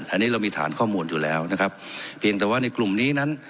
อันนี้เรามีฐานข้อมูลอยู่แล้วนะครับเพียงแต่ว่าในกลุ่มนี้นั้น